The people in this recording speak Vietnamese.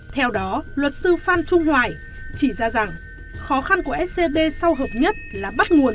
theo đó luật sư phan trung hoài chỉ ra rằng khó khăn của scb sau hợp nhất là bắt nguồn